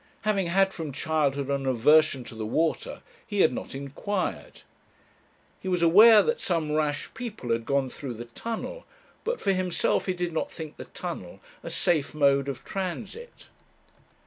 Having had, from childhood, an aversion to the water, he had not inquired. He was aware that some rash people had gone through the Tunnel, but for himself he did not think the Tunnel a safe mode of transit.